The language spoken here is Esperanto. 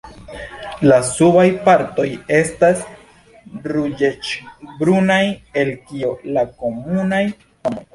La subaj partoj estas ruĝecbrunaj, el kio la komunaj nomoj.